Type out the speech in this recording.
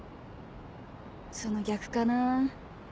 その逆かな。